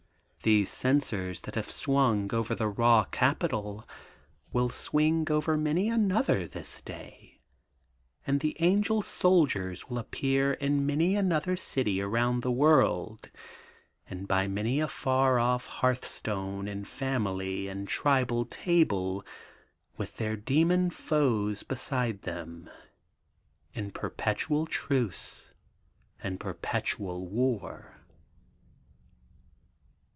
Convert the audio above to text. These censers that have swung over the raw capital, will swing over many another this day, and the angel soldiers will appear in many another city around the world, and by many a far off hearthstone and family and tribal table, with their demon foes beside them, in perpetual truce, and perpetual war.'